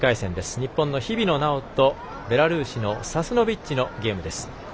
日本の日比野菜緒とベラルーシのサスノビッチのゲームです。